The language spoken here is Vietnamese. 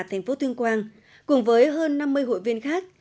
thành phố tuyên quang cùng với hơn năm mươi hội viên khác